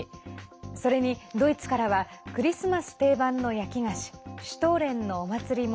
それにドイツからはクリスマス定番の焼き菓子シュトーレンのお祭りも。